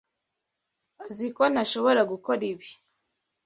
Aziko ntashobora gukora ibi.